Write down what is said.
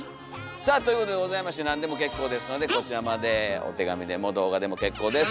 さあということでございまして何でも結構ですのでこちらまでお手紙でも動画でも結構です。